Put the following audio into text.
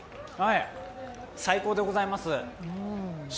最高でございます。